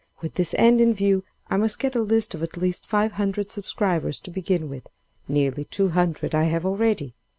With this end in view, I must get a list of at least five hundred subscribers to begin with; nearly two hundred I have already.